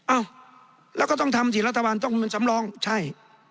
เอ้าแล้วก็ต้องทำสิรัฐบาลต้องเป็นสำรองใช่